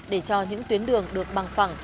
để cho những tuyến đường được bằng phẳng